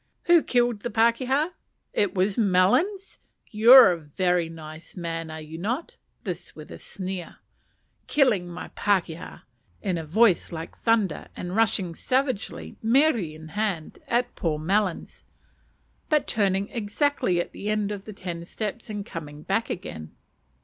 Who killed the pakeha? It was Melons. You are a nice man, are you not? (this with a sneer.) Killing my pakeha! (in a voice like thunder, and rushing savagely, mere in hand, at poor Melons, but turning exactly at the end of the ten steps and coming back again.)